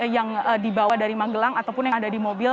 yang dibawa dari magelang ataupun yang ada di mobil